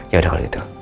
yaudah kalau gitu